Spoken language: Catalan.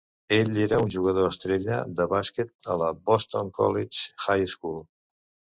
Ell era un jugador estrella de bàsquet a la Boston College High School.